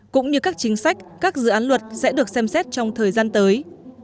cũng như các chính sách các dự án luật sẽ được xem xét trong thời gian tới